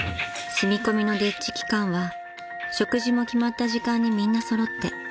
［住み込みの丁稚期間は食事も決まった時間にみんな揃って］